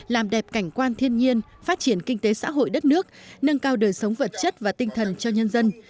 làm đẹp cảnh quan thiên nhiên phát triển kinh tế xã hội đất nước nâng cao đời sống vật chất và tinh thần cho nhân dân